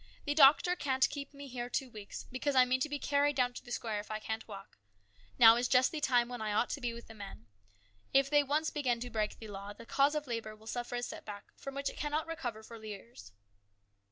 The doctor can't keep me here two weeks, because I mean to be carried down to the square if I can't walk. Now is just the time when I ought to be with the men. If they once begin to break the law, the cause of labour will suffer a setback from which it cannot recover for years."